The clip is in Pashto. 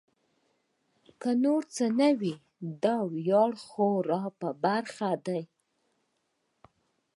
که نور څه نه وي دا ویاړ خو را په برخه دی.